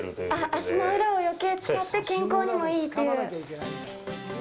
足の裏を余計使って健康にもいいっていう。